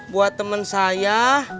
buat temen saya